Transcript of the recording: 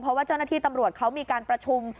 เพราะว่าเจ้าหน้าที่ตำรวจเขามีการประชุม